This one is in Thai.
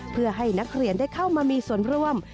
เพื่อให้นักเรียนได้เข้ามามีส่วนร่วม